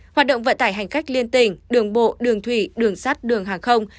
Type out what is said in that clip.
hoạt động vận tải hành khách liên tỉnh đường bộ đường thủy đường sắt đường hàng không